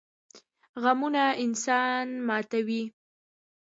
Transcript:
غمونه انسان ماتوي